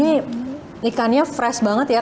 ini ikannya fresh banget ya